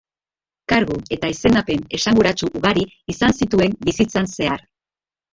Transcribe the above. Kargu eta izendapen esanguratsu ugari izan zituen bizitzan zehar.